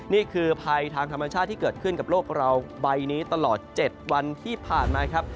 นี่คือภัยทางธรรมชาติที่เกิดขึ้นกับโลกเราใบนี้ตลอด๗วันที่ผ่านมาครับ